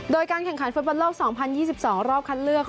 โดยการแข่งขันฟุตบอลโลก๒๐๒๒รอบคัดเลือก